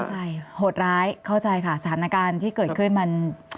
โหดร้ายเข้าใจค่ะสถานการณ์ที่เกิดขึ้นมัน